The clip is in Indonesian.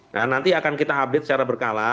nah nanti akan kita update secara berkala